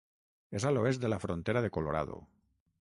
És a l'oest de la frontera de Colorado.